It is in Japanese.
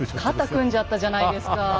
肩組んじゃったじゃないですか。